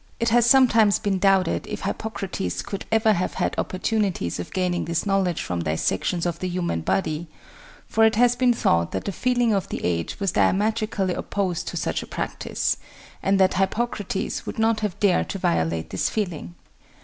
It has sometimes been doubted if Hippocrates could ever have had opportunities of gaining this knowledge from dissections of the human body, for it has been thought that the feeling of the age was diametrically opposed to such a practice, and that Hippocrates would not have dared to violate this feeling.